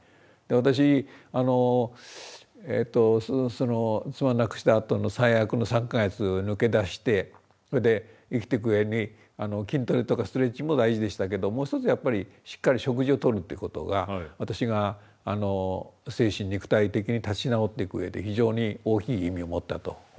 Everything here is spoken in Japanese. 私妻を亡くしたあとの最悪の３か月抜け出してそれで生きていくうえに筋トレとかストレッチも大事でしたけどもう１つやっぱりしっかり食事をとるということが私が精神肉体的に立ち直っていくうえで非常に大きい意味を持ったと思いますね。